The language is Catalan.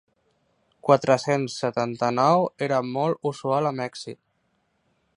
Quatre-cents setanta-nou era molt usual a Mèxic.